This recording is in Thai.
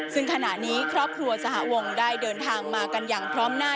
ซึ่งขณะนี้ครอบครัวสหวงได้เดินทางมากันอย่างพร้อมหน้า